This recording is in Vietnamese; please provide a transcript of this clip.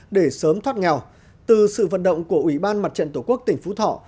để sớm thoát nghèo từ sự vận động của ủy ban mặt trận tổ quốc tỉnh phú thọ